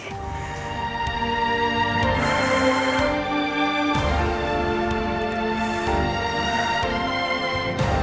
aku benar benar ingin tidur